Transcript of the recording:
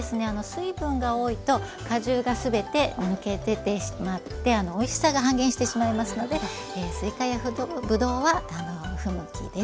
水分が多いと果汁が全て抜け出てしまっておいしさが半減してしまいますのですいかやぶどうは不向きです。